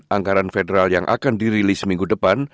anggaran federal yang akan dirilis minggu depan